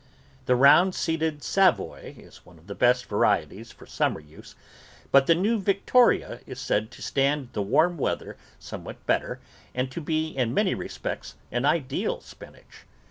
The Round seeded Savoy is one of the best vari eties for summer use, but the new Victoria is said to stand the warm weather somewhat better and to be in many respects an ideal spinach.